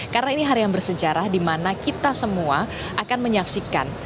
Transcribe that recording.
karena ini hari yang bersejarah di mana kita semua akan menyaksikan